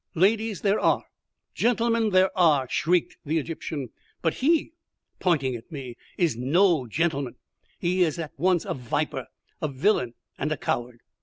"Ladies there are, gentlemen there are," shrieked the Egyptian; "but he" pointing at me "is no gentleman. He is at once a viper, a villain, and a coward.